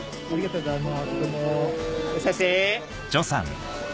ありがとうございます。